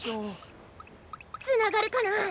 つながるかな？